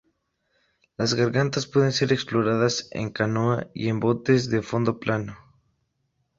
Las gargantas pueden ser exploradas en canoa y en botes de fondo plano.